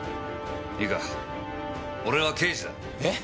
いいか俺は刑事だ。えっ！？